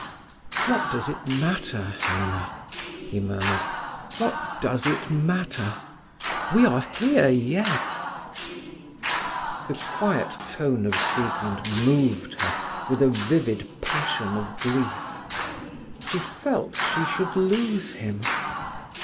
"What does it matter, Helena?" he murmured. "What does it matter? We are here yet." The quiet tone of Siegmund moved her with a vivid passion of grief. She felt she should lose him.